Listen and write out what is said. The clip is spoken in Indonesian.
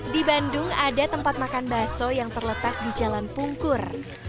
di bandung ada tempat makan baso yang terletak di jalan pungkur